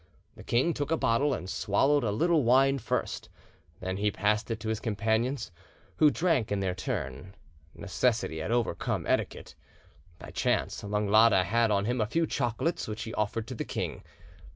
The king took a bottle and swallowed a little wine first, then he passed it to his companions, who drank in their turn: necessity had overcome etiquette. By chance Langlade had on him a few chocolates, which he offered to the king.